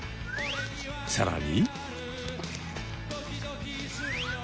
さらに。